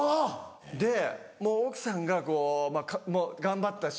でもう奥さんが頑張ったし。